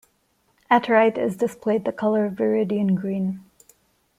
At right is displayed the color viridian green.